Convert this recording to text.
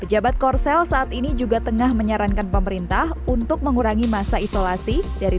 pejabat korsel saat ini juga tengah menyarankan pemerintah untuk mengurangi masa isolasi dari tujuh hari menjadi tiga hari